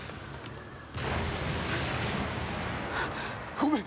ごめん！